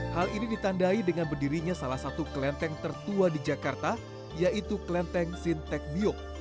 hal ini ditandai dengan berdirinya salah satu kelenteng tertua di jakarta yaitu kelenteng sintek biok